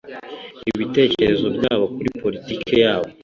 ibitekerezo byabo kuri politiki yabo